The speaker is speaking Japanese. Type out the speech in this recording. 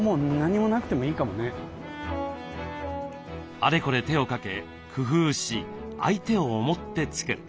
あれこれ手をかけ工夫し相手を思って作る。